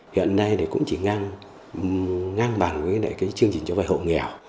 hiện nay thì cũng chỉ ngang bằng với cái chương trình cho vay hậu nghèo